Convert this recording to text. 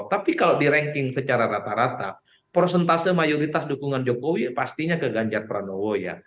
tapi kalau di ranking secara rata rata prosentase mayoritas dukungan jokowi pastinya ke ganjar pranowo ya